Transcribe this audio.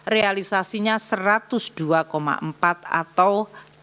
realisasinya satu ratus dua empat atau delapan puluh enam